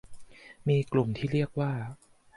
มีกลุ่มที่เรียกว่า